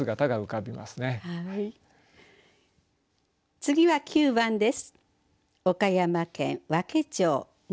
次は９番です。